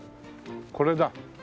これだ。